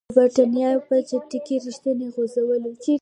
په برېټانیا کې په چټکۍ ریښې غځولې.